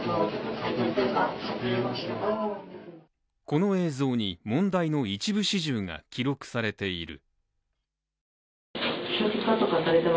この映像に問題の一部始終が記録されている。